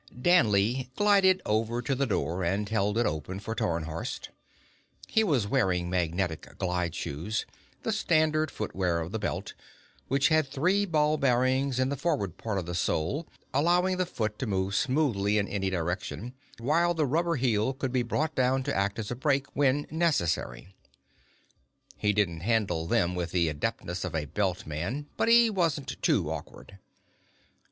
Danley glided over to the door and held it open for Tarnhorst. He was wearing magnetic glide shoes, the standard footwear of the Belt, which had three ball bearings in the forward part of the sole, allowing the foot to move smoothly in any direction, while the rubber heel could be brought down to act as a brake when necessary. He didn't handle them with the adeptness of a Belt man, but he wasn't too awkward.